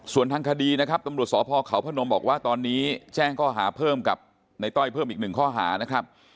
ส่วนทางคดีนะครับตำรวจสพเขาพนมบอกว่าตอนนี้แจ้งข้อหาเพิ่มกับในต้อยเพิ่มอีกหนึ่งข้อหานะครับ